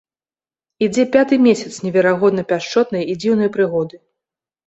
Ідзе пяты месяц неверагодна пяшчотнай і дзіўнай прыгоды.